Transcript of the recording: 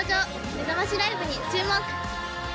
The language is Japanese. めざましライブに注目。